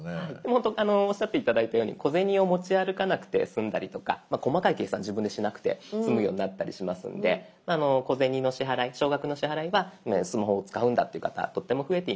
ほんとにおっしゃって頂いたように小銭を持ち歩かなくて済んだりとか細かい計算自分でしなくて済むようになったりしますので小銭の支払い少額の支払いはスマホを使うんだって方とっても増えています。